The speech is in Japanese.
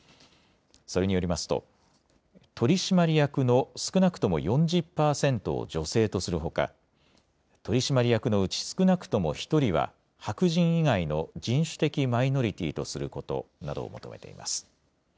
それによりますと取締役の少なくとも４０％を女性とするほか取締役のうち少なくとも１人は白人以外の人種的マイノリティーとすることなどを求めています。